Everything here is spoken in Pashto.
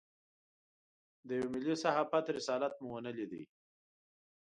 د یوه ملي صحافت رسالت مو ونه لېدای.